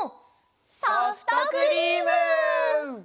ソフトクリーム！